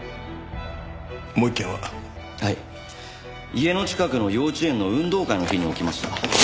家の近くの幼稚園の運動会の日に起きました。